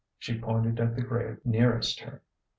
She pointed at the grave near est her.